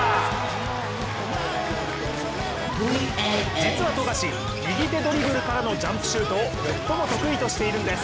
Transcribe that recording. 実は富樫、右手ドリブルからのジャンプシュートを最も得意としているんです。